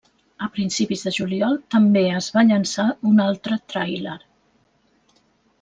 A principis de juliol també es va llançar un altre tràiler.